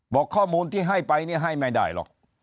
บอกข้อมูลที่ให้ไปเนี่ยให้ไม่ได้หรอก